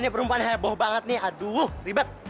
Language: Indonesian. bungkuh banget nih aduh ribet